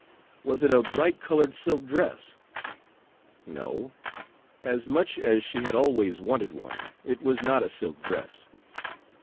Was it a brightcolored silk dress? No; as much as she had always wanted one, it was not a silk dress.